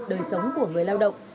đời sống của người lao động